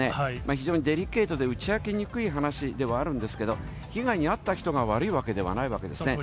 非常にデリケートで、打ち明けにくい話ではあるんですけれども、被害に遭った人が悪いわけではないわけですね。